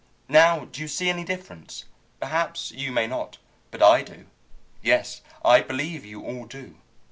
Now do you see any difference? Perhaps you may not, but I do. Yes, I believe you all do.